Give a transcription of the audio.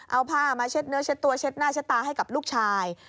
เอาผ้ามาเช็ดเนื้อเช็ดตัวเช็ดหน้าเช็ดตาให้กับลูกชาย